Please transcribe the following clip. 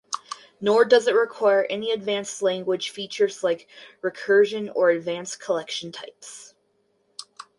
Nor does it require any advanced language features like recursion or advanced collection types.